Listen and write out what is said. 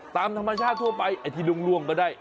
ตามธรรมชาติทั่วไปไอ้ที่ล่วงก็ได้